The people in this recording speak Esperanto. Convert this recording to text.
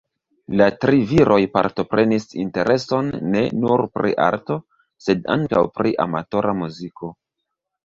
La tri viroj partoprenis intereson ne nur pri arto, sed ankaŭ pri amatora muziko.